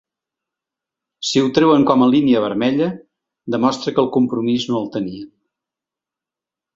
Si ho treuen com a línia vermella demostra que el compromís no el tenien.